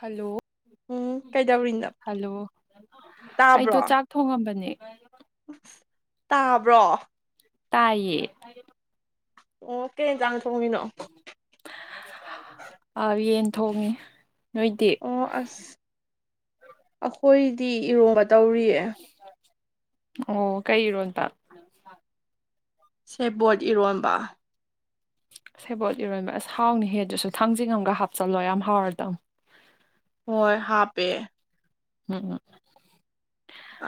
Hello ꯎꯝ ꯀꯩꯗꯧꯔꯤꯅꯣ hello ꯑꯩꯗꯣ ꯇꯥꯕ꯭ꯔꯣ ꯆꯥꯛ ꯊꯣꯡꯉꯝꯕꯅꯦ ꯇꯥꯕ꯭ꯔꯣ ꯇꯥꯏꯌꯦ ꯑꯣ ꯀꯩ ꯖꯥꯡ ꯊꯣꯡꯃꯤꯅꯣ꯫ ꯑ ꯌꯦꯟ ꯊꯣꯡꯉꯦ ꯅꯣꯏꯗꯤ꯫ ꯑꯣ ꯑꯁ ꯑꯈꯣꯏꯗꯤ ꯏꯔꯣꯝꯕ ꯇꯧꯔꯤꯌꯦ꯫ ꯑꯣ ꯀꯩ ꯏꯔꯣꯟꯕ꯫ ꯁꯦꯕꯣꯔꯠ ꯏꯔꯣꯟꯕ ꯁꯦꯕꯣꯠ ꯏꯔꯣꯟꯕ ꯑꯁ ꯍꯥꯎꯅꯤ ꯍꯦꯗꯨꯁꯨ ꯊꯥꯡꯖꯤꯡꯉꯝꯒ ꯍꯥꯞꯆꯜꯂꯣ ꯌꯥꯝ ꯍꯥꯎꯔꯗꯧ ꯍꯣꯏ ꯍꯥꯞꯄꯦ ꯎꯝ ꯎꯝ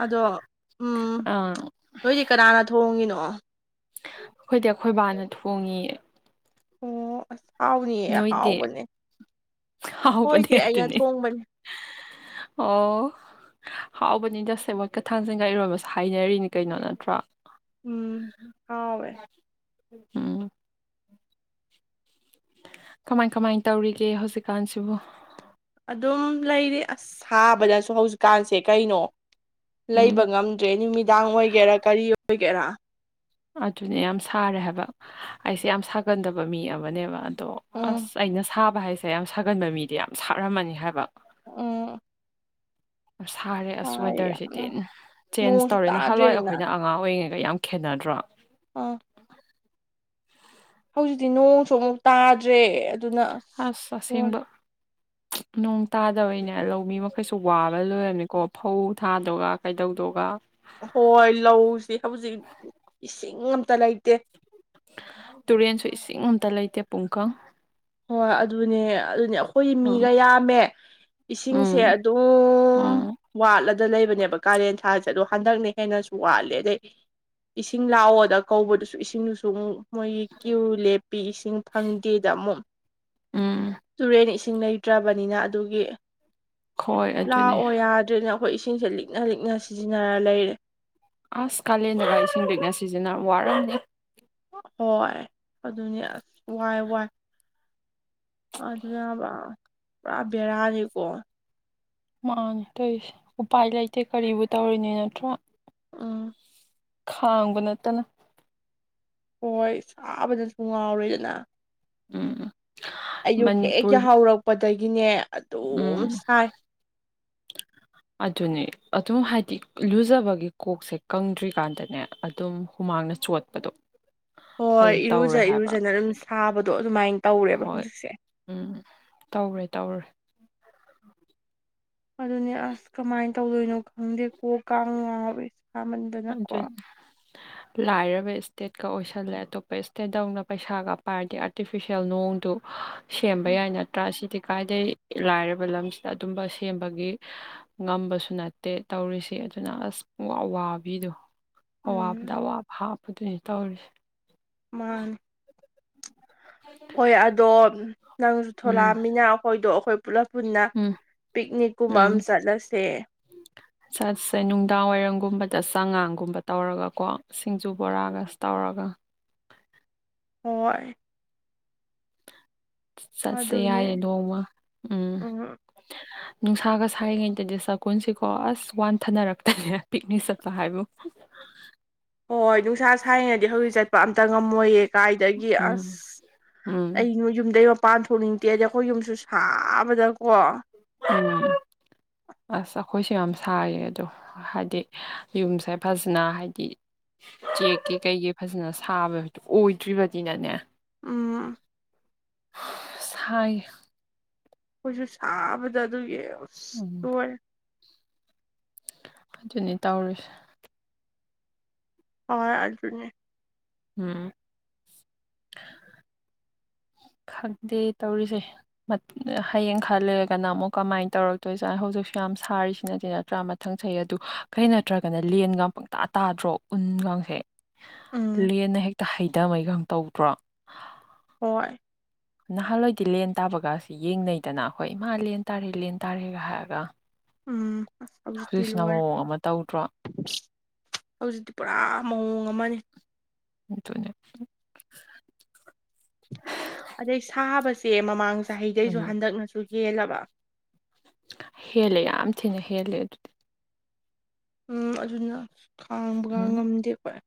ꯑꯗꯣ ꯎꯝ ꯑꯥ ꯅꯣꯏꯗꯤ ꯀꯅꯥꯅ ꯊꯣꯡꯉꯤꯅꯣ꯫ ꯑꯈꯣꯏꯗꯤ ꯑꯈꯣꯏꯕꯥꯅ ꯊꯣꯡꯉꯦ꯫ ꯑꯣ ꯑꯁ ꯍꯥꯎꯅꯤꯌꯦ ꯅꯣꯏꯗꯤ ꯑꯍꯥꯎꯕꯅꯦ ꯍꯥꯎꯕꯅꯦ ꯑꯈꯣꯏꯗꯤ ꯑꯩꯅ ꯑꯗꯨꯅꯤ ꯊꯣꯡꯕꯅꯦ꯫ ꯑꯣ ꯍꯥꯎꯕꯅꯤꯗ ꯁꯦꯕꯣꯠꯀꯥ ꯊꯥꯡꯁꯤꯡꯒ ꯏꯔꯣꯟꯕꯁꯨ ꯍꯥꯏꯅꯔꯤꯅꯤ ꯀꯩꯅꯣ ꯅꯠꯇ꯭ꯔꯥ꯫ ꯎꯝ ꯍꯥꯎꯋꯦ ꯎꯝ ꯀꯃꯥꯏ ꯀꯃꯥꯏ ꯇꯧꯔꯤꯒꯦ ꯍꯧꯖꯤꯛꯀꯥꯟꯁꯤꯕꯣ꯫ ꯑꯗꯨꯝ ꯂꯩꯔꯤ ꯑꯁ ꯁꯥꯕꯗꯁꯨ ꯍꯧꯖꯤꯛꯀꯥꯟꯁꯦ ꯀꯩꯅꯣ꯫ ꯎꯝ ꯂꯩꯕ ꯉꯝꯗ꯭ꯔꯦ ꯅꯨꯃꯤꯗꯥꯡ ꯑꯣꯏꯒꯦꯔꯥ ꯀꯔꯤ ꯑꯣꯏꯒꯦꯔꯥ꯫ ꯑꯗꯨꯅꯦ ꯌꯥꯝ ꯁꯥꯔꯦ ꯍꯥꯏꯕ ꯑꯩꯁꯦ ꯌꯥꯝ ꯁꯥꯒꯟꯗꯕ ꯃꯤ ꯑꯃꯅꯦꯕ ꯑꯗꯣ ꯎꯝ ꯑꯁ ꯑꯩꯅ ꯁꯥꯕ ꯍꯥꯏꯁꯦ ꯌꯥꯝ ꯁꯥꯒꯟꯕ ꯃꯤꯗꯤ ꯌꯥꯝ ꯁꯥꯔꯝꯃꯅꯤ ꯍꯥꯏꯕ꯫ ꯎꯝ ꯑ ꯁꯥꯔꯦ ꯑꯁ ꯁꯥꯏ ꯌꯥꯝꯅ ꯋꯦꯗꯔꯁꯤꯗꯤ ꯆꯦꯟꯖ ꯅꯣꯡꯁꯨ ꯇꯧꯔꯦ ꯅꯍꯜꯋꯥꯏ ꯇꯥꯗ꯭ꯔꯦꯗꯅ ꯑꯩꯈꯣꯏꯅ ꯑ ꯑꯉꯥꯡ ꯑꯣꯏꯔꯤꯉꯩꯒ ꯌꯥꯝ ꯈꯦꯠꯅꯗ꯭ꯔꯣ꯫ ꯑꯪ ꯍꯧꯖꯤꯛꯇꯤ ꯅꯣꯡꯁꯨ ꯑꯃꯨꯛ ꯇꯥꯗ꯭ꯔꯦ ꯑꯗꯨꯅ ꯑꯁ ꯅꯣꯡ ꯇꯥꯗꯕꯩꯅꯦ ꯂꯧꯃꯤ ꯃꯈꯩꯁꯨ ꯋꯥꯕ ꯂꯣꯏꯔꯝꯅꯤꯀꯣ ꯐꯧ ꯊꯥꯗꯒ ꯀꯩꯗꯧꯗꯒ ꯍꯣꯏ ꯂꯧꯁꯤ ꯍꯧꯖꯤꯛ ꯏꯁꯤꯡ ꯑꯝꯇ ꯂꯩꯇꯦ꯫ ꯇꯨꯔꯦꯟꯁꯨ ꯏꯁꯤꯡ ꯑꯇ ꯂꯩꯇꯦ ꯄꯨꯡꯀꯪ꯫ ꯍꯣꯏ ꯑꯗꯨꯅꯦ ꯑꯗꯨꯅꯦ ꯑꯈꯣꯏ ꯎꯝ ꯃꯤꯒ ꯌꯥꯝꯃꯦ ꯏꯁꯤꯡꯁꯦ ꯎꯝ ꯑꯗꯨꯝ ꯎꯝ ꯋꯥꯠꯂꯗ ꯂꯩꯕꯅꯦꯕ ꯀꯥꯂꯦꯟ ꯊꯥꯁꯦ ꯑꯗꯣ ꯍꯟꯗꯛꯅ ꯍꯦꯟꯅꯁꯨ ꯋꯥꯠꯂꯦ ꯑꯗꯩ ꯏꯁꯤꯡ ꯂꯥꯛꯑꯣꯗ ꯀꯧꯕꯗꯨꯁꯨ ꯏꯁꯤꯡꯗꯨꯁꯨ ꯑꯃꯨꯛ ꯃꯣꯏꯒꯤ ꯀ꯭ꯌꯨ ꯂꯦꯞꯄꯤ ꯏꯁꯤꯡ ꯐꯪꯗꯦꯗ ꯑꯃꯨꯛ ꯎꯝ ꯇꯨꯔꯦꯟ ꯏꯁꯤꯡ ꯂꯩꯇ꯭ꯔꯕꯅꯤꯅ ꯑꯗꯨꯒꯤ ꯍꯣꯏ ꯑꯗꯨꯅꯦ ꯂꯥꯛꯑꯣ ꯌꯥ ꯗ꯭ꯔꯤꯅꯦ ꯑꯈꯣꯏ ꯏꯁꯤꯡꯁꯦ ꯂꯤꯛꯅ ꯂꯤꯛꯅ ꯁꯤꯖꯤꯟꯅꯔ ꯂꯩꯔꯦ꯫ ꯑꯁ ꯀꯥꯂꯦꯟꯗꯒ ꯏꯁꯤꯡ ꯂꯤꯛꯅ ꯁꯤꯖꯤꯟꯅ ꯋꯥꯔꯝꯅꯤ꯫ ꯍꯣꯏ ꯑꯗꯨꯅꯤ ꯑꯁ ꯋꯥꯏ ꯋꯥꯏ꯫ ꯑꯗꯨꯅꯕ ꯄꯨꯔꯥ ꯕꯦꯔꯥꯅꯤꯀꯣ꯫ ꯃꯥꯅꯤ ꯇꯧꯔꯤꯁꯦ ꯎꯄꯥꯏ ꯂꯩꯇꯦ ꯀꯔꯤꯕꯨ ꯇꯧꯔꯨꯅꯤ ꯅꯠꯇ꯭ꯔꯥ꯫ ꯎꯝ ꯈꯥꯡꯕ ꯅꯠꯇꯅ ꯍꯣꯏ ꯁꯥꯕꯅꯁꯨ ꯉꯥꯎꯔꯦꯗꯅ ꯎꯝ ꯑꯌꯨꯛ ꯍꯦꯛ ꯃꯅꯤꯄꯨꯔ ꯌꯥꯍꯧꯔꯛꯄꯗꯒꯤꯅꯦ ꯑꯗꯨꯝ ꯎꯝ ꯁꯥꯏ ꯑꯗꯨꯅꯤ ꯑꯗꯨꯝ ꯍꯥꯏꯗꯤ ꯂꯨꯖꯕꯒꯤ ꯀꯣꯛꯁꯦ ꯀꯪꯗ꯭ꯔꯤꯀꯥꯟꯗꯅꯦ ꯑꯗꯨꯝ ꯍꯨꯃꯥꯡꯅ ꯆꯣꯠꯄꯗꯣ ꯍꯣꯏ ꯑꯗꯨꯝ ꯇꯧꯔꯦ ꯏꯔꯨꯖ ꯍꯥꯏꯕ ꯏꯔꯨꯖꯅ ꯑꯗꯨꯝ ꯁꯥꯕꯗꯣ ꯑꯗꯨꯃꯥꯏꯅ ꯇꯧꯔꯦꯕ ꯍꯣꯏ ꯍꯧꯖꯤꯛꯁꯦ ꯎꯝ ꯇꯧꯔꯦ ꯇꯧꯔꯦ ꯑꯗꯨꯅꯦ ꯑꯁ ꯀꯃꯥꯏꯅ ꯇꯧꯗꯣꯏꯅꯣ ꯈꯪꯗꯦ ꯀꯣꯛꯀ ꯉꯥꯎꯢ ꯈꯪꯗ꯭ꯔꯦꯗ [inaudible] ꯂꯥꯏꯔꯕ ꯏꯁꯇꯦꯠꯀ ꯑꯣꯏꯁꯜꯂꯦ ꯑꯇꯣꯞꯄ ꯏꯁꯇꯦꯠꯇꯧꯅ ꯄꯩꯁꯥꯒ ꯄꯥꯏꯔꯗꯤ ꯑꯥꯔꯇꯤꯐꯤꯁꯦꯜ ꯅꯣꯡꯗꯣ ꯁꯦꯝꯕ ꯎꯝ ꯌꯥꯏ ꯅꯠꯇ꯭ꯔꯥ ꯑꯁꯤꯗꯤ ꯀꯥꯏꯗꯩ ꯂꯥꯏꯔꯕ ꯂꯝꯁꯤꯗ ꯑꯗꯨꯝꯕ ꯁꯦꯝꯕꯒꯤ ꯉꯝꯕꯁꯨ ꯅꯠꯇꯦ ꯇꯧꯔꯤꯁꯤ ꯑꯗꯨꯅ ꯑꯁ ꯄꯨꯝꯋꯥ ꯋꯥ ꯄꯕꯤꯗꯣ ꯑꯋꯥꯕꯗ ꯎꯝ ꯑꯋꯥꯕ ꯍꯥꯞꯄꯗꯨꯅꯤ ꯇꯧꯔꯤꯁꯦ ꯃꯥꯥꯅꯤ ꯍꯣꯏ ꯑꯗꯣ ꯅꯪꯁꯨ ꯎꯝ ꯊꯣꯂꯛꯑꯃꯤꯅ ꯑꯈꯣꯏꯗꯣ ꯑꯈꯣꯏ ꯄꯨꯂꯞ ꯄꯨꯟꯅ ꯎꯝ ꯄꯤꯛꯅꯤꯛꯀꯨꯝꯕ ꯑꯃ ꯎꯝ ꯆꯠꯂꯁꯦ ꯆꯠꯁꯦ ꯅꯨꯡꯗꯥꯡ ꯋꯥꯏꯔꯝꯒꯨꯝꯕꯗ ꯆꯉꯥꯡꯒꯨꯝꯕ ꯇꯧꯔꯒꯀꯣ ꯁꯤꯡꯖꯨ ꯕꯣꯔꯥꯒ ꯇꯧꯔꯒ ꯍꯣꯏ ꯆꯠꯁꯦ ꯌꯥꯏꯌꯦ ꯑꯗꯨꯅꯦ ꯅꯣꯡꯃ ꯎꯝ [inaudible] ꯅꯨꯡꯁꯥꯒ ꯁꯥꯏꯔꯤꯉꯩꯗꯗꯤ ꯆꯒꯨꯜꯁꯤꯀꯣ ꯑꯁ ꯋꯥꯟꯊꯅꯔꯛꯇꯅꯦ ꯄꯤꯛꯅꯤꯛ ꯆꯠꯄ ꯍꯥꯏꯕꯨ ꯍꯣꯏ ꯅꯨꯡꯁꯥ ꯁꯥꯏꯔꯤꯉꯩꯗꯤ ꯍꯧꯖꯤꯛ ꯆꯠꯄ ꯑꯝꯇ ꯉꯝꯃꯣꯏꯌꯦ ꯀꯥꯏꯗꯒꯤ ꯎꯝ ꯑꯁ ꯎꯝ ꯑꯩ ꯅꯣꯢ ꯌꯨꯝꯗꯩ ꯄꯥꯟ ꯊꯣꯛꯅꯤꯡꯗꯦ ꯍꯥꯏꯗꯤ ꯑꯈꯣꯏ ꯌꯨꯝꯁꯨ ꯁꯥꯕꯗꯀꯣ ꯎꯝ ꯑꯁ ꯑꯈꯣꯏꯁꯨ ꯌꯥꯝ ꯁꯥꯏꯌꯦ ꯑꯗꯣ ꯍꯥꯏꯗꯤ ꯌꯨꯝꯁꯦ ꯐꯖꯅ ꯍꯥꯏꯗꯤ ꯆꯦꯛꯀꯤ ꯀꯩꯒꯤ ꯐꯖꯅ ꯁꯥꯕ ꯑꯣꯏꯗ꯭ꯔꯤꯕꯅꯤꯅꯅꯦ ꯎꯝ ꯁꯥꯏ ꯑꯈꯣꯏꯁꯨ ꯁꯥꯕꯗ ꯑꯗꯨꯒꯤ ꯑꯁ ꯎꯝ ꯂꯣꯏꯔꯦ ꯑꯗꯨꯅꯤ ꯇꯧꯔꯤꯁꯦ ꯍꯣꯏ ꯑꯗꯨꯅꯦ ꯎꯝ ꯈꯪꯗꯦ ꯇꯧꯔꯤꯁꯦ ꯍꯌꯦꯡ ꯈꯔ ꯂꯩꯔꯒꯅ ꯑꯃꯨꯛ ꯀꯃꯥꯏꯅ ꯇꯧꯔꯛꯇꯣꯏꯖꯥꯠꯅꯣ ꯍꯧꯖꯤꯛꯁꯨ ꯌꯥꯝ ꯁꯥꯔꯤꯁꯤꯅꯗꯤ ꯅꯠꯇ꯭ꯔꯥ ꯃ ꯃꯊꯪ ꯆꯍꯤ ꯑꯗꯨ ꯀꯔꯤ ꯅꯠꯇ꯭ꯔꯒꯅ ꯂꯦꯟꯒ ꯄꯪꯇꯥ ꯇꯥꯗ꯭ꯔꯣ ꯎꯟꯒꯁꯦ ꯎꯝ ꯂꯦꯟꯅ ꯍꯦꯛꯇ ꯍꯩꯊꯕꯩꯒ ꯇꯧꯗ꯭ꯔꯣ ꯍꯣꯏ ꯅꯍꯥꯟꯋꯥꯏꯗꯤ ꯂꯦꯟ ꯇꯥꯕꯒꯁꯤ ꯌꯦꯡ ꯂꯩꯗꯅ ꯍꯣꯏ ꯏꯃꯥ ꯂꯦꯟ ꯇꯥꯔꯦ ꯂꯦꯟ ꯇꯥꯔꯦꯒ ꯍꯥꯏꯔꯒ ꯎꯝ ꯍꯧꯖꯤꯛꯇꯤ ꯍꯧꯖꯤꯛꯁꯤꯅ ꯂꯣꯢꯔꯦ ꯃꯑꯣꯡ ꯑꯃ ꯇꯧꯗ꯭ꯔꯣ ꯍꯧꯖꯤꯛꯇꯤ ꯄꯨꯔꯥ ꯃꯑꯣꯡ ꯑꯃꯅꯤ ꯑꯗꯨꯅꯦ ꯑꯗꯩ ꯁꯥꯕꯁꯦ ꯃꯃꯥꯡ ꯆꯍꯤꯗꯩꯁꯨ ꯎꯝ ꯍꯟꯗꯛꯅꯁꯨ ꯍꯦꯜꯂꯕ ꯍꯦꯜꯂꯦ ꯌꯥꯝ ꯊꯤꯅ ꯍꯦꯜꯂꯦ ꯑꯗꯨꯗꯤ ꯎꯝ ꯑꯗꯨꯅ ꯈꯥꯡꯕꯒ ꯎꯝ ꯉꯝꯗꯦ ꯑꯈꯣꯏ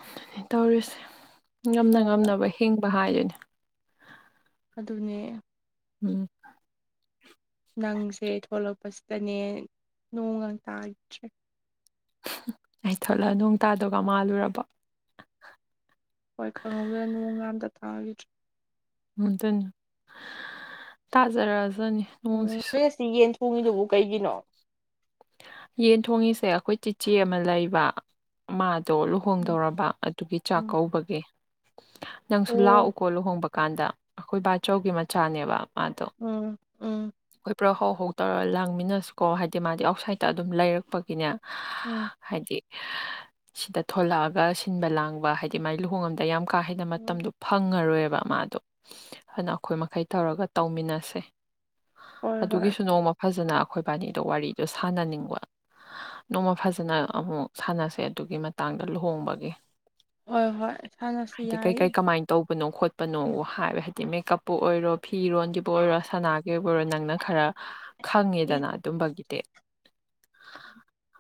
ꯑꯗꯨꯅꯤ ꯇꯧꯔꯤꯁꯦ ꯉꯝꯅ ꯍꯣꯏ ꯉꯝꯅꯕ ꯍꯤꯡꯕ ꯍꯥꯏꯗꯨꯅꯤ ꯑꯗꯨꯅꯦ ꯎꯝ ꯅꯪꯁꯦ ꯊꯣꯛꯂꯛꯄꯁꯤꯗꯅꯦ ꯅꯣꯡꯒ ꯇꯥꯈꯤꯗ꯭ꯔꯦ ꯑꯩ ꯊꯣꯂꯛꯑꯒ ꯅꯣꯡ ꯇꯥꯗꯧꯒ ꯃꯥꯜꯂꯨꯔꯕꯣ ꯍꯣꯏ ꯈꯪꯍꯧꯗꯅ ꯅꯣꯡ ꯑꯝꯇ ꯊꯥꯈꯤꯗ꯭ꯔꯦ ꯑꯗꯨꯅꯤ ꯇꯥꯖꯥꯔꯖꯥꯅꯤ ꯎꯝ ꯃꯦꯁꯤ ꯌꯦꯟ ꯊꯣꯡꯉꯤꯗꯨꯕꯨ ꯀꯩꯒꯤꯅꯣ ꯌꯦꯟ ꯊꯣꯡꯉꯤꯁꯦ ꯑꯩꯈꯣꯏ ꯆꯤꯆꯦ ꯑꯃ ꯂꯩꯕ ꯃꯥꯗꯣ ꯔꯨꯝ ꯎꯝ ꯍꯣꯡꯗꯧꯔꯕ ꯑꯗꯨꯒꯤ ꯆꯥꯛ ꯎꯝ ꯀꯧꯕꯒꯤ ꯅꯪꯁꯨ ꯑꯣ ꯂꯥꯛꯎꯀꯣ ꯂꯨꯍꯣꯡꯕ ꯀꯥꯟꯗ ꯑꯩꯈꯣꯏ ꯕꯥꯆꯧꯒꯤ ꯃꯆꯥꯅꯦꯕ ꯃꯥꯗꯣ ꯎꯝ ꯎꯝ ꯑꯩꯈꯣꯏ ꯄꯨꯔꯥ ꯍꯥꯎ ꯍꯥꯎ ꯇꯧꯔ ꯂꯥꯡꯃꯤꯟꯅꯁꯤꯀꯣ ꯍꯥꯏꯗꯤ ꯃꯥꯗꯤ ꯑꯥꯎꯠꯁꯥꯏꯗꯠꯇ ꯑꯗꯨꯝ ꯂꯩꯔꯛꯄꯒꯤꯅꯦ ꯎꯝ ꯍꯥꯏꯗꯤ ꯁꯤꯗ ꯊꯣꯂꯛꯑꯒ ꯁꯤꯟꯕ ꯂꯥꯡꯕ ꯍꯥꯏꯗꯤ ꯃꯥꯥꯏ ꯂꯨꯍꯣꯡ ꯑꯝꯗ ꯌꯥꯝ ꯀꯥ ꯍꯦꯟꯅ ꯎꯝ ꯃꯇꯝꯗꯣ ꯐꯪꯉꯔꯣꯏꯕ ꯃꯥꯗꯣ ꯑꯗꯨꯅ ꯑꯩꯈꯣꯏ ꯃꯈꯩ ꯇꯧꯔꯒ ꯇꯧꯃꯤꯟꯅꯁꯦ ꯍꯣꯏ ꯍꯣꯏ ꯑꯗꯨꯒꯤꯁꯨ ꯅꯣꯡꯃ ꯐꯖꯅ ꯑꯩꯈꯣꯏꯕꯥꯅꯤꯗꯣ ꯋꯥꯔꯤꯗꯣ ꯁꯥꯟꯅꯅꯤꯡꯕ ꯅꯣꯡꯃ ꯐꯖꯅ ꯑꯃꯨꯛ ꯁꯥꯟꯅꯁꯦ ꯑꯗꯨꯒꯤ ꯃꯇꯥꯡꯗ ꯂꯨꯍꯣꯡꯕꯒꯤ ꯍꯣꯏ ꯍꯣꯏ ꯁꯥꯟꯅꯁꯤ ꯍꯥꯏꯗꯤ ꯀꯩ ꯌꯥꯏ ꯀꯩ ꯀꯃꯥꯏ ꯇꯧꯕꯅꯣ ꯈꯣꯠꯄꯅꯣ ꯍꯥꯏꯕ ꯍꯥꯏꯗꯤ ꯃꯦꯀꯞꯄꯨ ꯑꯣꯏꯔꯣ ꯐꯤꯔꯣꯟꯒꯤꯕꯨ ꯑꯣꯏꯔꯣ ꯁꯅꯥ ꯒꯤꯕꯣ ꯑꯣꯢꯔꯣ ꯅꯪꯅ ꯈꯔ ꯈꯪꯉꯦꯗꯅ ꯑꯗꯨꯝꯕꯒꯤꯗꯤ [unintelligible]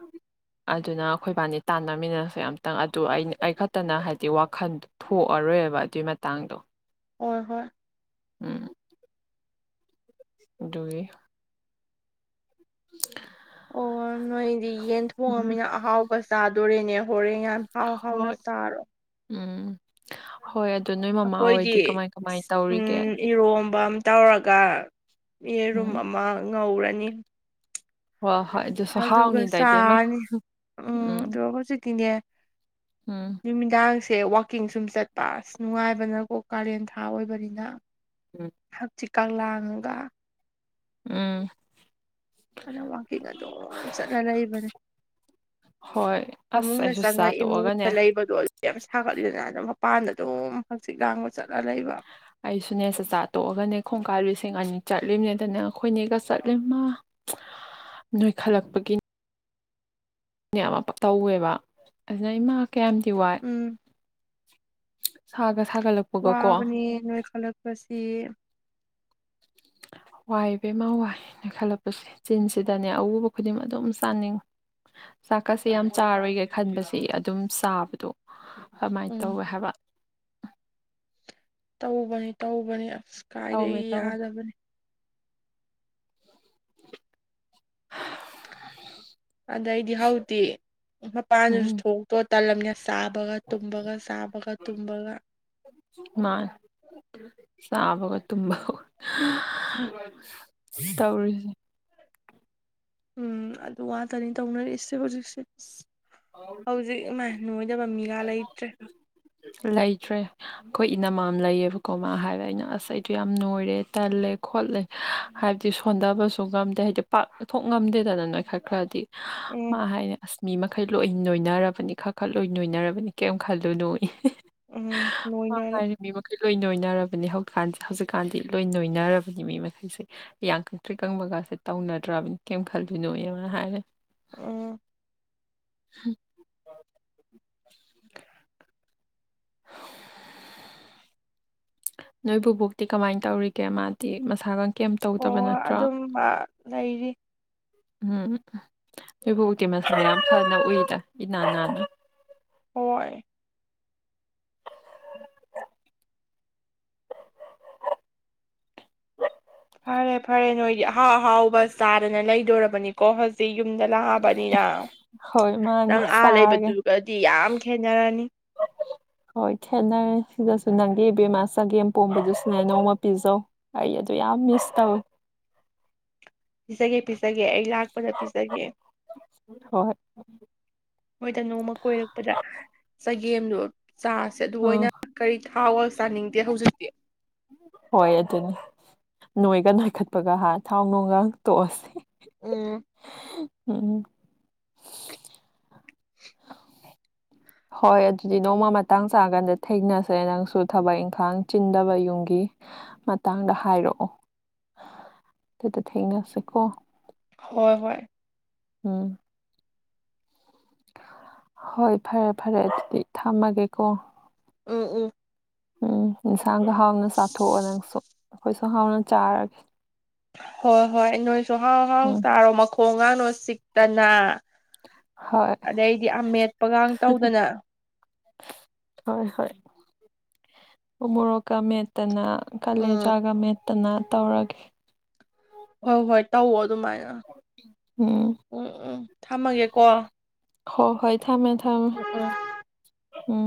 ꯑꯗꯨꯅ ꯑꯩꯈꯣꯏ ꯏꯕꯥꯅꯤ ꯇꯥꯟꯅꯃꯤꯟꯅꯁꯦ ꯑꯝꯇꯪ ꯑꯗꯨ ꯑ ꯑꯩ ꯈꯛꯇꯅ ꯍꯥꯏꯗꯤ ꯋꯥꯈꯜ ꯊꯣꯛꯑꯔꯣꯏꯕ ꯑꯗꯨꯏ ꯃꯇꯥꯡꯗꯣ ꯍꯣꯏ ꯍꯣꯏ ꯎꯝ ꯑꯗꯨꯒꯤ [unintelligible] ꯑꯣ ꯅꯣꯏꯗꯤ ꯌꯦꯟ ꯎꯝ ꯊꯣꯡꯉꯃꯤꯅ ꯑꯍꯥꯎꯕ ꯆꯥꯗꯣꯔꯦꯅꯦ ꯍꯣꯔꯦꯟ ꯌꯥꯝ ꯍꯥꯎ ꯍꯥꯎꯅ ꯍꯣꯏ ꯆꯥꯔꯣ ꯎꯝ ꯍꯣꯏ ꯑꯗꯨ ꯅꯣꯏ ꯃꯃꯥ ꯑꯩꯈꯣꯏꯗꯤ ꯍꯣꯏꯗꯤ ꯀꯃꯥꯏ ꯀꯃꯥꯏ ꯇꯧꯔꯤꯒꯦ ꯎꯝ ꯏꯔꯣꯝꯕ ꯑꯃ ꯇꯧꯔꯒ ꯌꯦꯔꯨꯝ ꯎꯝ ꯑꯃ ꯉꯧꯔꯅꯤ ꯍꯣꯏ ꯍꯣꯏ ꯑꯗꯨꯁꯨ ꯑꯗꯨꯒꯒ ꯍꯥꯎꯅꯤꯗ ꯏꯕꯦꯝꯃ ꯆꯥꯔꯅꯤ ꯎꯝ ꯑꯗꯨꯒ ꯍꯧꯖꯤꯛꯇꯤꯅꯦ ꯎꯝ ꯅꯨꯃꯤꯗꯥꯡꯁꯦ ꯋꯥꯛꯀꯤꯡ ꯁꯨꯝ ꯆꯠꯄ ꯑꯁ ꯅꯨꯡꯉꯥꯏꯕꯅꯀꯣ ꯀꯥꯂꯦꯟ ꯊꯥ ꯑꯣꯏꯕꯅꯤꯅ ꯎꯝ ꯍꯥꯛꯆꯤꯀ ꯂꯥꯡꯉꯒ ꯎꯝ ꯑꯗꯨꯅ ꯋꯥꯛꯀꯤꯡ ꯑꯗꯨꯝ ꯆꯠꯂ ꯂꯩꯕꯅꯦ ꯍꯣꯏ ꯑꯁ ꯐꯃꯨꯡꯗ ꯑꯩꯁꯨ ꯆꯪꯉ ꯆꯥꯛꯆꯥ ꯇꯣꯛꯑꯒꯅꯦ ꯏꯃꯨꯡꯗ ꯂꯩꯕꯗꯣ ꯌꯥꯝ ꯁꯥꯒꯠꯂꯤꯗꯅ ꯑꯗ ꯃꯄꯥꯟꯗ ꯑꯗꯨꯝ ꯍꯛꯆꯤꯛ ꯂꯥꯡꯕ ꯆꯠꯂ ꯂꯩꯕ ꯑꯩꯁꯨꯅꯦ ꯆꯛꯆꯥ ꯇꯣꯛꯑꯒꯅꯦ ꯈꯣꯡꯀꯥ ꯂꯤꯁꯤꯡ ꯑꯅꯤ ꯆꯠꯂꯤꯕꯅꯦꯗꯅꯦ ꯑꯩꯈꯣꯏꯅꯦꯒ ꯆꯠꯂꯤ ꯃꯥ [inaudible] ꯅꯣꯏꯈꯠꯂꯛꯄꯒꯤ ꯅꯦ ꯑꯃ ꯇꯧꯋꯦꯕ ꯑꯗꯨꯅ ꯏꯃꯥ ꯀꯌꯥꯝꯗꯤ ꯋꯥꯏ ꯎꯝ ꯁꯥꯒ ꯁꯥꯒꯠꯂꯛꯄ ꯋꯥꯕꯅꯦ ꯅꯣꯏ ꯈꯜꯂꯛꯄꯁꯤ ꯋꯥꯏ ꯏꯕꯦꯝꯃ ꯋꯥꯏ ꯅꯣꯏꯈꯠꯂꯛꯄꯁꯤ ꯆꯤꯟꯁꯤꯗꯅꯦ ꯑꯎꯕ ꯈꯨꯗꯤꯡ ꯑꯗꯨꯝ ꯆꯥꯅꯤꯡꯉꯤ ꯆꯥꯛꯀꯠꯁꯤ ꯌꯥꯝ ꯆꯥꯔꯣꯏꯒꯦ ꯈꯟꯕꯁꯤ ꯑꯗꯨꯝ ꯆꯥꯕꯗꯣ ꯀꯃꯥꯏꯅ ꯎꯝ ꯇꯧꯋꯦ ꯍꯥꯏꯕ ꯇꯧꯕꯅꯤ ꯇꯧꯕꯅꯤ ꯑꯁ ꯇꯧꯋꯦ ꯀꯥꯏꯗꯒꯤ ꯇꯧꯋꯦ ꯌꯥꯗꯕꯅꯤ ꯑꯗꯩꯗꯤ ꯍꯧꯛꯇꯤ ꯃꯄꯥꯟꯗꯁꯨ ꯎꯝ ꯊꯣꯛ ꯇꯣ ꯇꯥꯜꯂꯝꯅꯦ ꯆꯥꯕꯒ ꯇꯨꯝꯕꯒ ꯆꯥꯕꯒ ꯇꯨꯝꯕꯒ ꯃꯥꯅꯦ ꯆꯥꯕꯒ ꯇꯨꯝꯕꯒ ꯇꯧꯔꯤꯁꯤ ꯎꯝ ꯑꯗꯨ ꯉꯥꯇꯅꯤ ꯇꯧꯅꯔꯤꯁꯦ ꯍꯧꯖꯤꯛꯁꯦ ꯍꯧꯖꯤꯛ ꯏꯃꯥꯏ ꯅꯣꯏꯗꯕ ꯃꯤꯒꯥ ꯂꯩꯇ꯭ꯔꯦ ꯂꯩꯇ꯭ꯔꯦ ꯈꯣꯏ ꯏꯅꯝꯃ ꯑꯃ ꯂꯩꯌꯦꯕꯀꯣ ꯃꯥ ꯍꯥꯏꯕ ꯑꯩꯅ ꯑꯁ ꯑꯩꯗꯣ ꯌꯥꯝ ꯅꯣꯏꯔꯦ ꯇꯜꯂꯦ ꯈꯣꯠꯂꯦ ꯍꯥꯏꯕꯗꯤ ꯁꯣꯟꯊꯕꯁꯨ ꯉꯝꯗꯦ ꯍꯥꯏꯗꯤ ꯄꯥꯛ ꯊꯣꯛ ꯉꯝꯗꯦꯗꯅ ꯅꯣꯏꯈꯠ ꯈꯔꯗꯤ ꯎꯝ ꯃꯥ ꯍꯥꯏꯅꯦ ꯑꯁ ꯃꯤ ꯃ ꯈꯩ ꯂꯣꯏ ꯅꯣꯏꯅꯔꯕꯅꯤ ꯈ ꯈ ꯂꯣꯏ ꯅꯣꯏꯅꯔꯕꯅꯤ ꯀꯩꯝ ꯈꯜꯂꯨꯅꯨꯌꯦ ꯎꯝ ꯅꯣꯏꯅꯔꯦ ꯃꯤ ꯃꯈꯩ ꯂꯣꯏ ꯅꯣꯏꯅꯔꯕꯅꯤ ꯍꯧꯀꯥꯟꯁꯦ ꯍꯧꯖꯤꯛꯀꯥꯟꯗꯤ ꯂꯣꯏ ꯅꯣꯏꯅꯔꯕꯅꯤ ꯃꯤ ꯃꯈꯩꯁꯦ ꯌꯥꯡ ꯀꯛꯇ꯭ꯔꯤꯛ ꯀꯪꯕꯒꯥꯁꯦ ꯇꯧꯅꯗ꯭ꯔꯕꯅꯤ ꯀꯩꯝ ꯈꯜꯂꯨꯅꯣꯌꯦ ꯃꯥ ꯍꯥꯏꯅꯦ ꯎ [unintelligible] ꯅꯣꯏ ꯕꯨꯕꯣꯛꯇꯤ ꯀꯃꯥꯏꯅ ꯇꯧꯔꯤꯒꯦ ꯃꯥꯗꯤ ꯃꯁꯥꯒ ꯀꯦꯝ ꯇꯧꯗꯕ ꯍꯣꯏ ꯅꯠꯇ꯭ꯔꯥ ꯑꯗꯨꯝꯕ ꯂꯩꯔꯤ ꯎꯝ ꯅꯣꯏ ꯕꯨꯕꯣꯛꯇꯤ ꯃꯁꯥ ꯌꯥꯝ ꯐꯅ ꯎꯏꯗ ꯏꯅꯥꯟ ꯅꯥꯟꯅ ꯍꯣꯏ ꯐꯔꯦ ꯐꯔꯦ ꯅꯣꯏꯗꯤ ꯑꯍꯥꯎ ꯑꯍꯥꯎꯕ ꯆꯥꯗꯅ ꯂꯩꯗꯣꯔꯔꯕꯅꯤ ꯀꯣ ꯍꯧꯖꯤꯛ ꯌꯨꯝꯗ ꯂꯥꯛꯑꯕꯅꯤꯅ ꯍꯣꯏ ꯃꯥꯅꯤ ꯅꯪ ꯑꯥ ꯆꯥꯔꯒꯦ ꯂꯩꯕꯗꯨꯒꯗꯤ ꯌꯥꯝ ꯈꯦꯅꯔꯅꯤ ꯍꯣꯏ ꯈꯦꯠꯅꯔꯦ ꯁꯤꯗꯁꯨ ꯅꯪꯒꯤ ꯏꯕꯦꯝꯃꯥ ꯆꯒꯦꯝꯄꯣꯝꯕꯗꯨꯁꯨꯅꯦ ꯅꯣꯡꯃ ꯄꯤꯖꯧ ꯑꯩ ꯑꯗꯨ ꯌꯥꯝ ꯃꯤꯁ ꯇꯧꯋꯤ ꯄꯤꯖꯒꯦ ꯄꯤꯖꯒꯦ ꯑꯩ ꯂꯥꯛꯄꯗ ꯄꯤꯖꯒꯦ ꯍꯣꯏ ꯃꯣꯏꯗ ꯅꯣꯡꯃꯥ ꯀꯣꯏꯔꯛꯄꯗ ꯆꯒꯦꯝꯗꯣ ꯆꯥ ꯁꯦ ꯑꯗꯨ ꯑꯥ ꯑꯣꯏꯅ ꯀꯔꯤ ꯊꯥꯎꯒ ꯆꯥꯅꯤꯡꯗꯦ ꯍꯧꯖꯤꯛꯇꯤ ꯍꯣꯏ ꯑꯗꯨꯅꯦ ꯅꯣꯏꯒ ꯅꯥꯈꯠꯄꯒ ꯍꯥꯏ ꯊꯥꯎ ꯅꯨꯡꯒ ꯇꯣꯛꯑꯁꯤ ꯎꯝ [unintelligible] ꯎꯝ ꯍꯣꯏ ꯑꯗꯨꯗꯤ ꯅꯣꯡꯃ ꯃꯇꯥꯡ ꯆꯥꯀꯥꯟꯗ ꯊꯦꯡꯅꯁꯦ ꯅꯪꯁꯨ ꯊꯕꯛ ꯏꯪꯈꯥꯡ ꯆꯤꯟꯗꯕ ꯌꯨꯝꯒꯤ ꯃꯇꯥꯡꯗ ꯍꯥꯏꯔꯛꯑꯣ ꯑꯗꯨꯗ ꯊꯦꯡꯅꯁꯤꯀꯣ ꯍꯣꯏ ꯍꯣꯏ ꯎꯝ ꯍꯣꯏ ꯐꯔꯦ ꯐꯔꯦ ꯑꯗꯨꯗꯤ ꯊꯝꯃꯒꯦꯀꯣ ꯎꯝ ꯎꯝ ꯎꯝ ꯏꯟꯁꯥꯡꯒ ꯍꯥꯎꯅ ꯆꯥꯊꯣꯛꯑꯣ ꯅꯪꯁꯨ ꯑꯩꯈꯣꯏꯁꯨ ꯍꯥꯎꯅ ꯆꯥꯔꯒꯦ ꯍꯣꯏ ꯍꯣꯏ ꯅꯣꯏꯁꯨ ꯍꯥꯎ ꯍꯥꯎ ꯎꯝ ꯆꯥꯔꯣ ꯃꯈꯣꯡ ꯒꯥꯗꯣ ꯆꯤꯛꯇꯅ ꯍꯣꯏ ꯑꯗꯩꯗꯤ ꯑꯃꯦꯠꯄꯒ ꯇꯧꯗꯅ ꯍꯣꯏ ꯍꯣꯏ ꯑꯨꯃꯣꯔꯣꯛꯀꯥ ꯃꯦꯠꯇꯅ ꯎꯝ ꯀꯂꯦꯖꯥꯒ ꯃꯦꯠꯇꯅ ꯇꯧꯔꯒꯦ ꯍꯣꯏ ꯍꯣꯏ ꯇꯧꯑꯣ ꯑꯗꯨꯃꯥꯏꯅ ꯎꯝ ꯎꯝ ꯎꯝ ꯊꯝꯃꯒꯦꯀꯣ ꯍꯣꯏ ꯍꯣꯏ ꯊꯝꯃꯦ ꯊꯝꯃꯦ ꯎꯝ ꯎꯝ ꯎꯝ